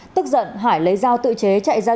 tức giận hải lấy dao tự chế chạy ra